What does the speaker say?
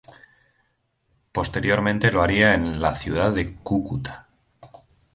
Posteriormente lo haría en la ciudad de Cúcuta.